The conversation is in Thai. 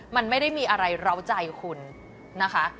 มันไม่ได้มีอะไรเหล้าใจคุณนะคะ